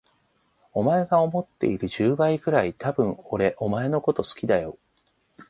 お前が思っている十倍くらい、多分俺お前のこと好きだよ。